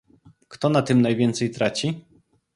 Kto na tym najwięcej traci?